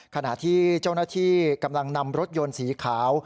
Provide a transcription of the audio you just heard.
ขณะที่เจ้าหน้าที่กำลังนำรถยนต์สีขาว